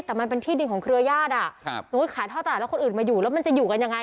แต่มันเป็นที่ดินของเครือญาติอ่ะครับสมมุติขายท่อตลาดแล้วคนอื่นมาอยู่แล้วมันจะอยู่กันยังไง